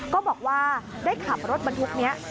ก็บอกว่าได้ขับรถบรรทุกนี้